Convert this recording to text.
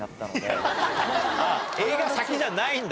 映画先じゃないんだ。